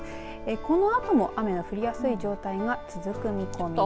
このあとも雨が降りやすい状態が続く見込みです。